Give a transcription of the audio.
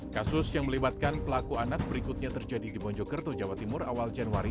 kasus yang melibatkan pelaku anak berikutnya terjadi di bonjokerto jawa timur awal januari dua ribu dua puluh tiga